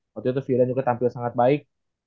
waktu itu fire juga tampil sangat baik